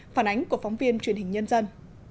phản ánh của phóng viên truyền hình nhân dân